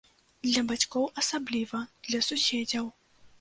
Для бацькоў асабліва, для суседзяў.